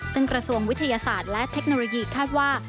ซึ่งกระทรวงวิทยาศาสตร์และเทคโนโลยีคาดว่า